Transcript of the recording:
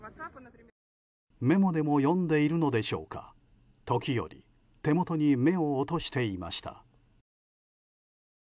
メモでも読んでいるのでしょうか時折、手元に目を落としていました。